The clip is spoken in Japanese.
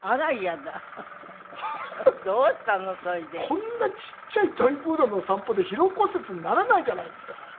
こんなちっちゃいトイプードルの散歩で疲労骨折にならないじゃないですか。